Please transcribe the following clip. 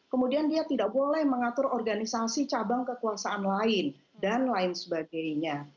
kemudian dia tidak boleh mengatur organisasi cabang kekuasaan lain dan lain sebagainya